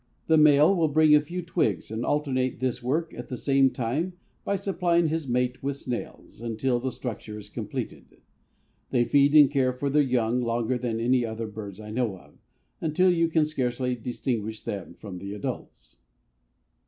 The male will bring a few twigs and alternate this work at the same time by supplying his mate with snails, until the structure is completed. They feed and care for their young longer than any other birds I know of, until you can scarcely distinguish them from the adults."